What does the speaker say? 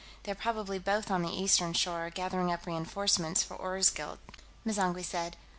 They're probably both on the Eastern Shore, gathering up reenforcements for Orgzild," M'zangwe said.